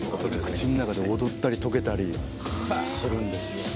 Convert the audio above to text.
口の中で踊ったりとけたりするんですよ。